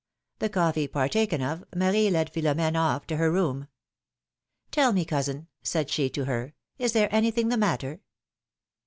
The coffee partaken of, Marie led Philom^ne off to her room. Tell me, cousin," said she to her, is there anything the matter